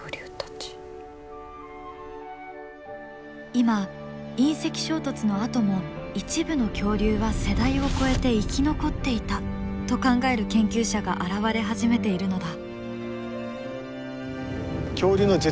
今隕石衝突のあとも一部の恐竜は世代をこえて生き残っていたと考える研究者が現れ始めているのだ。